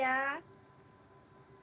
selamat siang sehat semua ya